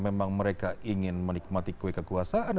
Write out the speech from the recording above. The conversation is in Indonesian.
memang mereka ingin menikmati kue kekuasaan